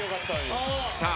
さあ